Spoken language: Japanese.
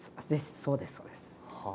そうですそうです。